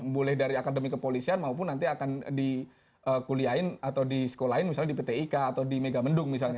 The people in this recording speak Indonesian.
boleh dari akademi kepolisian maupun nanti akan dikuliahin atau disekolahin misalnya di pt ika atau di mega mendung misalnya